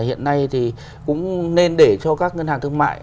hiện nay thì cũng nên để cho các ngân hàng thương mại